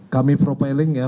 kami profiling ya